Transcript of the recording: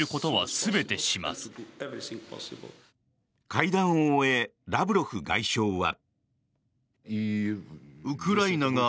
会談を終えラブロフ外相は。